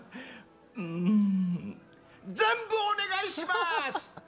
うーん、全部、お願いします！